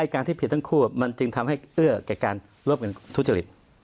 การที่ผิดทั้งคู่มันจึงทำให้เอื้อแก่การร่วมกันทุจริต